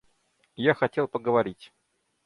Я хотел поговорить.